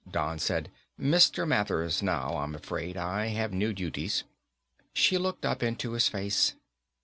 Don said, "Mr. Mathers now, I'm afraid. I have new duties." She looked up into his face.